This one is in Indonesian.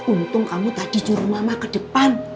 untung kamu tadi juruh mama ke depan